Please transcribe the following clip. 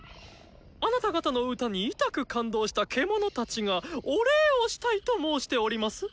あなた方の歌にいたく感動したケモノたちがお礼をしたいと申しております。